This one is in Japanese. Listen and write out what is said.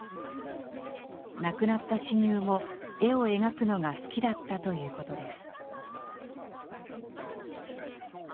亡くなった親友も絵を描くのが好きだったということです。